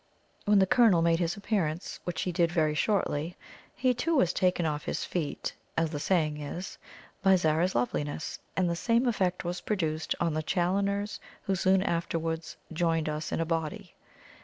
When the Colonel made his appearance, which he did very shortly, he too was "taken off his feet," as the saying is, by Zara's loveliness, and the same effect was produced on the Challoners, who soon afterwards joined us in a body.